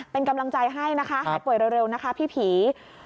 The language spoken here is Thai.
เป็นกำลังใจให้นะคะหายป่วยเร็วนะคะพี่ผี